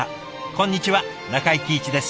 こんにちは中井貴一です。